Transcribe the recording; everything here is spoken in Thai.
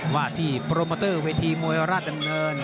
ว่าที่โปรโมเตอร์เวทีมวยราชดำเนิน